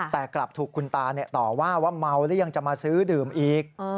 แต่กลับถูกคุณตาต่อว่าว่าเมาหรือยังจะมาซื้อดื่มอีก